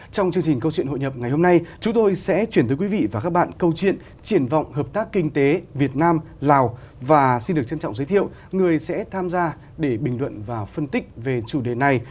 trong chương trình câu chuyện hội nhập ngày hôm nay chúng tôi sẽ chuyển tới quý vị và các bạn câu chuyện triển vọng hợp tác kinh tế việt nam lào và xin được trân trọng giới thiệu người sẽ tham gia để bình luận và phân tích về chủ đề này